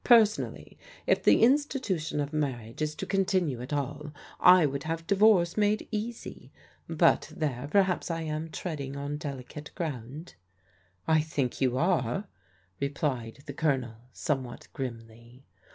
Personally if the institution of marriage is to continue at all, I would have divorce made easy. But there, perhaps I am treading on delicate grotmd." "I think you are," replied the Colonel somewhat grimly.